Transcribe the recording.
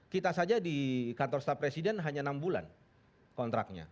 kita saja di kantor staf presiden hanya enam bulan kontraknya